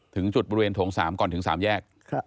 ถึงจุดบริเวณถงสามก่อนถึงสามแยก